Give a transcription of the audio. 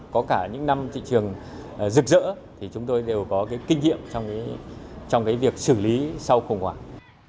có cả những năm thị trường rực rỡ thì chúng tôi đều có cái kinh nghiệm trong cái việc xử lý sau khủng hoảng